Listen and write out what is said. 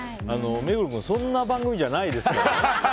目黒君そんな番組じゃないですから。